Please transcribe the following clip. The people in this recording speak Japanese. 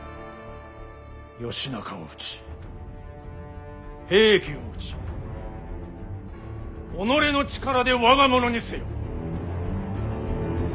義仲を討ち平家を討ち己の力で我が物にせよ。